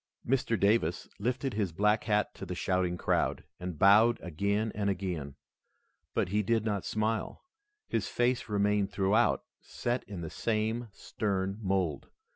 Mr. Davis lifted his black hat to the shouting crowd, and bowed again and again. But he did not smile. His face remained throughout set in the same stern mold.